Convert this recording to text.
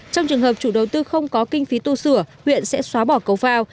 trong trường hợp chủ đầu tư không có kinh phí tu sửa huyện sẽ xóa bỏ cầu phao